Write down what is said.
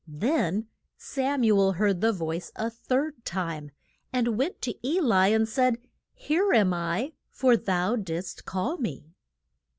Then Sam u el heard the voice a third time, and went to E li and said, Here am I, for thou did'st call me.